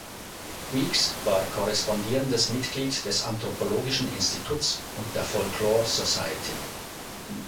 Weeks war korrespondierendes Mitglied des Anthropologischen Instituts und der Folk-Lore Society.